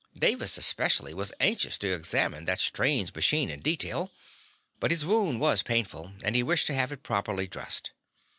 Davis, especially, was anxious to examine that strange machine in detail, but his wound was painful and he wished to have it properly dressed.